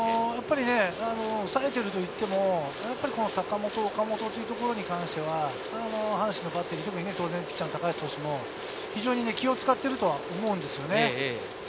抑えているといっても坂本、岡本というところに関しては、阪神のバッテリー、ピッチャー・高橋投手も気を使っていると思います。